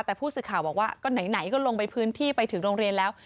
แต่ผู้สื่อข่าวบอกว่าก็ไหนก็ลงไปพื้นที่ไปถึงโรงเรียนแล้ว